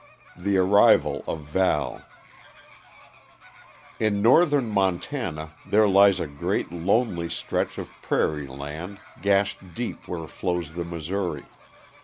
THE ARRIVAL OF VAL In northern Montana there lies a great, lonely stretch of prairie land, gashed deep where flows the Missouri.